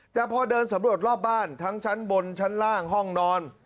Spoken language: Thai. แต่พอเดินสำรวจรอบบ้านทั้งชั้นบนชั้นล่างห้องนอน